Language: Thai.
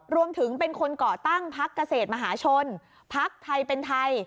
เป็นคนก่อตั้งพักเกษตรมหาชนพักไทยเป็นไทย